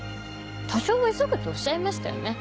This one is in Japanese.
「多少は急ぐ」とおっしゃいましたよね？